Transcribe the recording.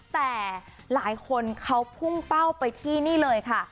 แต่หลายคนเขาพุ่งเป้าไปที่นี่เลยค่ะ